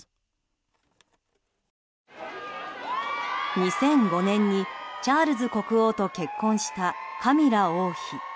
２００５年にチャールズ国王と結婚したカミラ王妃。